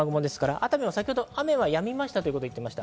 熱海は先ほど雨は止みましたと言っていました。